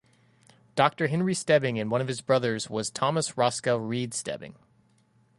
Doctor Henry Stebbing and one of his brothers was Thomas Roscoe Rede Stebbing.